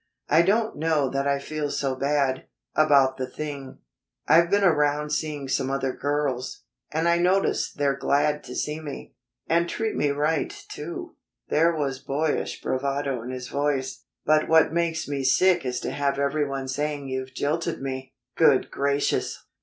I don't know that I feel so bad about the thing. I've been around seeing some other girls, and I notice they're glad to see me, and treat me right, too." There was boyish bravado in his voice. "But what makes me sick is to have everyone saying you've jilted me." "Good gracious!